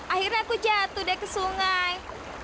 akhirnya aku jatuh deh ke sungai